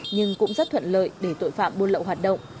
nhưng cũng rất thuận lợi để tội phạm buôn lậu hoạt động